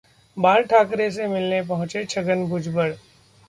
बाल ठाकरे से मिलने पहुंचे छगन भुजबल